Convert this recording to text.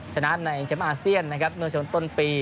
ชนะในแชมป์อาเซียนนะครับเมื่อช่วงต้นปี